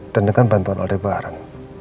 dan dengan bantuan aldebaran